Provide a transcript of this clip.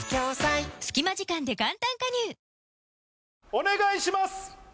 お願いします！